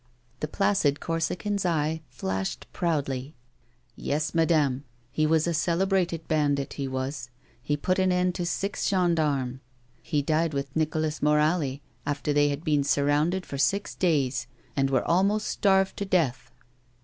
The placid Corsican's eye flashed proudly. A WOMAN'S LIFE. 73 " Yes, madame, he was a celebrated bandit, he was ; he put an end to six gendarmes. He died with Nicolas Morali after they had been surrounded for six days, and were almost starved to death."